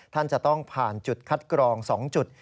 ท่านจะต้องผ่านจุดคัดกรอง๒จุด